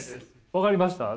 分かりました？